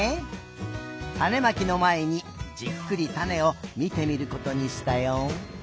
たねまきのまえにじっくりたねをみてみることにしたよ。